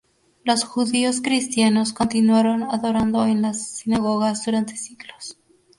Los judíos cristianos continuaron adorando en las sinagogas durante siglos.